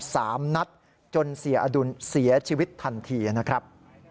สามนัดจนเสียอดุลเสียชีวิตทันทีนะครับ